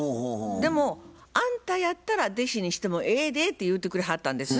でもあんたやったら弟子にしてもええでって言うてくれはったんです。